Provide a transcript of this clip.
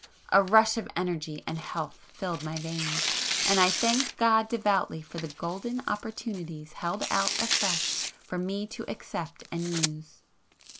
A rush of energy and health filled my veins,—and I thanked God devoutly for the golden opportunities held out afresh for me to accept and use.